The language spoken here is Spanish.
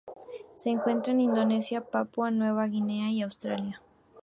Se encuentra en Indonesia, Papúa Nueva Guinea y Australia.